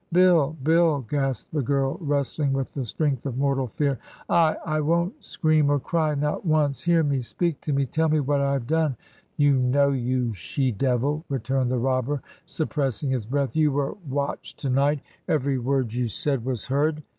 'Bill, BiUI' gasped the girl, wrestling with the strength of mortal fear — ^I — ^I won't scream or cry — not once — hear me — speak to me — tell me what I have done!' 'You know, you she devil I' returned the robber, sup pressing his breath. 'You were watched to night; every word you said was heard.'